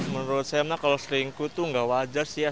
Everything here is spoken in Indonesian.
menurut saya kalau selingkuh itu nggak wajar sih